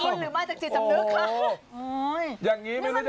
โอ้โฮตายแล้วอินหรือไม่จากจิตจำนึกค่ะ